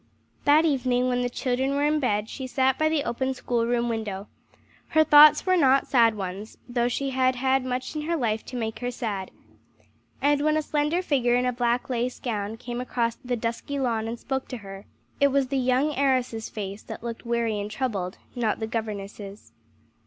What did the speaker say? That evening when the children were in bed she sat by the open school room window. Her thoughts were not sad ones, though she had had much in her life to make her sad. And when a slender figure in a black lace gown came across the dusky lawn and spoke to her, it was the young heiress's face that looked weary and troubled, not the governess's.